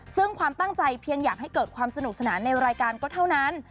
ซึ่งความตั้งใจเพียงอยากให้เกิดความสนุกสนานในรายการก็เท่านั้น